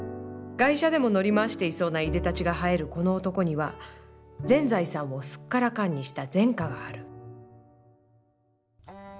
外車でも乗り回していそうな出で立ちが映えるこの男には全財産をスッカラカンにした前科がある」。